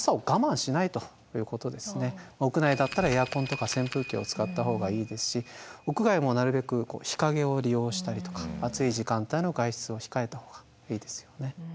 屋内だったらエアコンとか扇風機を使った方がいいですし屋外もなるべく日陰を利用したりとか暑い時間帯の外出を控えた方がいいですよね。